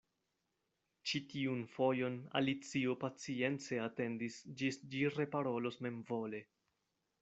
Ĉi tiun fojon Alicio pacience atendis ĝis ĝi reparolos memvole.